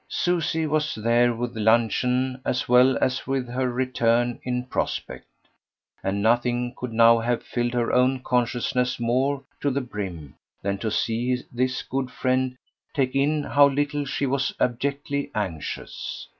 Susie was there with luncheon as well as with her return in prospect; and nothing could now have filled her own consciousness more to the brim than to see this good friend take in how little she was abjectly anxious.